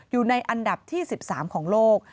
อยู่ในอันดับที่๑๓ของโลก